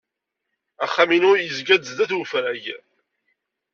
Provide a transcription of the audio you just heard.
Axxam-inu yezga-d sdat wefrag.